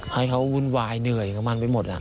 ให้เขาวุ่นวายเหนื่อยของมันไปหมด